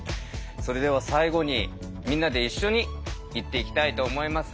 それでは最後にみんなで一緒に言っていきたいと思います。